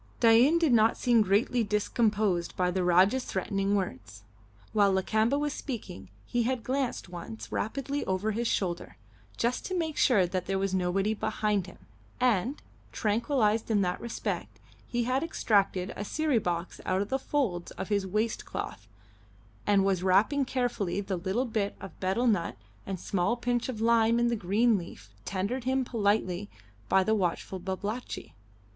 Dain did not seem greatly discomposed by the Rajah's threatening words. While Lakamba was speaking he had glanced once rapidly over his shoulder, just to make sure that there was nobody behind him, and, tranquillised in that respect, he had extracted a siri box out of the folds of his waist cloth, and was wrapping carefully the little bit of betel nut and a small pinch of lime in the green leaf tendered him politely by the watchful Babalatchi.